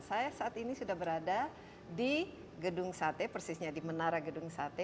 saya saat ini sudah berada di gedung sate persisnya di menara gedung sate